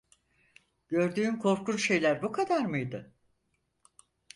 Gördüğün korkunç şeyler bu kadar mıydı?